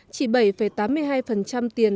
chỉ bảy tám mươi hai tiền